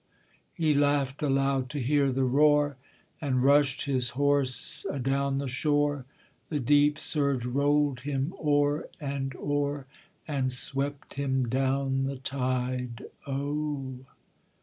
He laughed aloud to hear the roar, And rushed his horse adown the shore, The deep surge rolled him o'er and o'er, And swept him down the tide O!